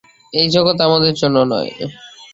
এই জগৎ আমাদের জন্য নয়।